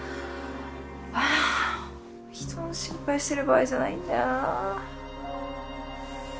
あ人の心配してる場合じゃないんだよなぁ。